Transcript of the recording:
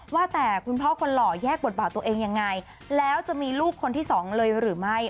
ว่าแต่คุณพ่อคนหล่อแยกบทบาทตัวเองยังไงแล้วจะมีลูกคนที่สองเลยหรือไม่